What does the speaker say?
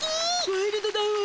ワイルドだわ。